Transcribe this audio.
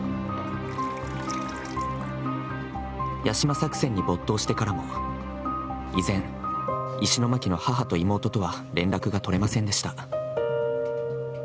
「ヤシマ作戦」に没頭してからも、依然、石巻の母と妹とは連絡が取れませんでした。